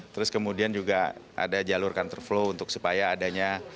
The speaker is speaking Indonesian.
terus kemudian juga ada jalur counter flow untuk supaya adanya